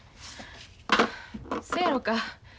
そやろか。